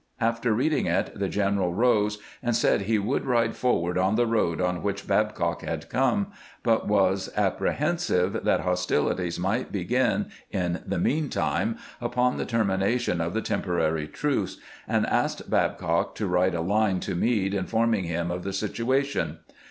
After reading it the general rose, and said he would ride forward on the road on which Bab HOW LEE REACHED McLEAN'S HOUSE 471 cock had come, but was apprehensive that hostilities might begin in the mean time, upon the termination of the temporary truce, and asked Babcock to write a Hne to Meade informing him of the situation.